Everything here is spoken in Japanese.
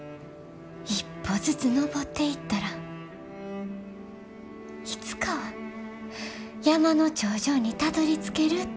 一歩ずつ登っていったらいつかは山の頂上にたどりつけるって。